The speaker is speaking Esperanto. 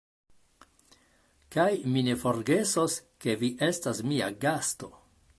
Kaj mi ne forgesos, ke vi estas mia gasto!